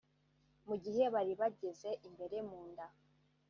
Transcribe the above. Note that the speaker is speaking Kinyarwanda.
Mu gihe bari bageze imbere mu nda